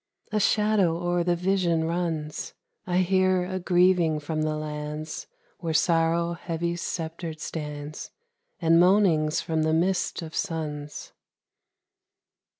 A shadow o'er the vision runs : I hear a grieving from the lands Where Sorrow heavy sceptred stands, And moanings from the mist of suns.